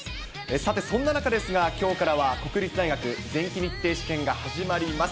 さて、そんな中ですが、きょうからは国立大学前期日程試験が始まります。